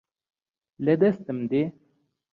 لە دەستم دێ